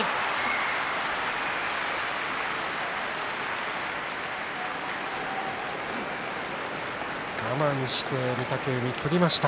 拍手我慢して御嶽海取りました。